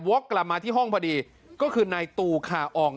กลับมาที่ห้องพอดีก็คือนายตูคาออง